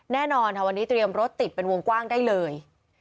แน่นอนค่ะวันนี้เตรียมรถติดเป็นวงกว้างได้เลย